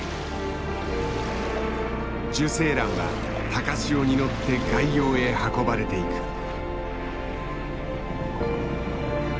受精卵は高潮に乗って外洋へ運ばれていく。